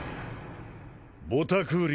ボタクーリ